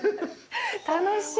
楽しい！